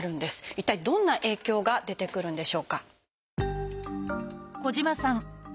一体どんな影響が出てくるんでしょうか。